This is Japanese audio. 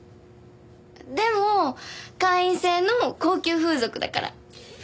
でも会員制の高級風俗だから。